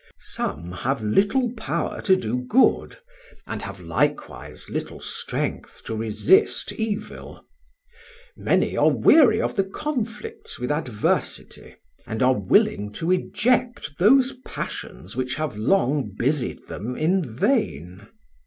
Some have little power to do good, and have likewise little strength to resist evil. Many are weary of the conflicts with adversity, and are willing to eject those passions which have long busied them in vain.